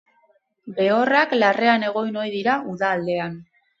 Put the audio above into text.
Behorrak larrean egon ohi dira uda aldean.